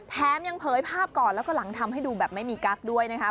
แถมยังเผยภาพก่อนแล้วก็หลังทำให้ดูแบบไม่มีกั๊กด้วยนะคะ